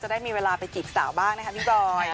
จะได้มีเวลาไปกิดสาวบ้างนะครับพี่กรอย